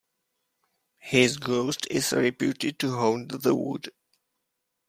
His ghost is reputed to haunt the wood.